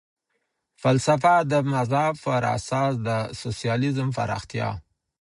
فلسفه د مذهب پر اساس د سوسیالیزم پراختیا.